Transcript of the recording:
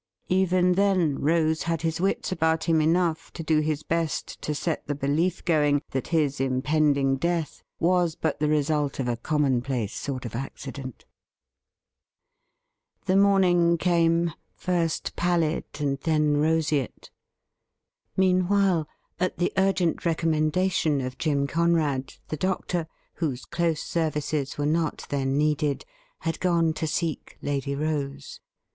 Even then Rose had his wits about him enough to do his best to set the belief going that his impending death was but the result of a commonplace sort of accident. The morning came, first pallid and then roseate. Meanwhile, at the urgent recommendation of Jim Conrad, the doctor — whose close services were not then needed — had gone to seek Lady Rose.